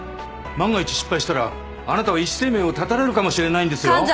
万が一失敗したらあなたは医師生命を絶たれるかもしれないんですよ。